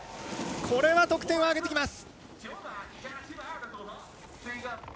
これは得点を上げてきます。